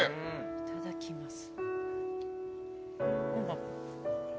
いただきます。